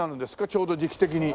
ちょうど時期的に。